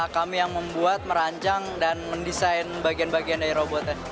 kami yang membuat merancang dan mendesain bagian bagian dari robotnya